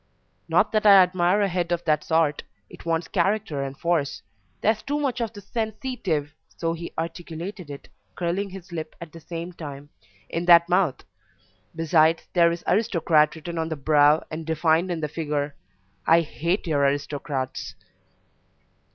"Not that I admire a head of that sort; it wants character and force; there's too much of the sen si tive (so he articulated it, curling his lip at the same time) in that mouth; besides, there is Aristocrat written on the brow and defined in the figure; I hate your aristocrats."